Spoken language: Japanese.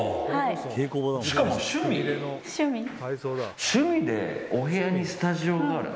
趣味でお部屋にスタジオがある。